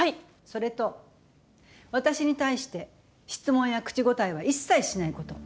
それと私に対して質問や口答えは一切しないこと。